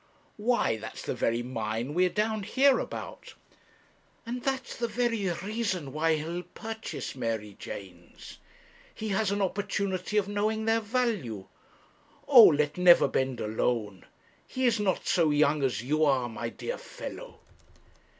'Why, that's the very mine we are down here about.' 'And that's the very reason why he'll purchase Mary Janes. He has an opportunity of knowing their value. Oh, let Neverbend alone. He is not so young as you are, my dear fellow.'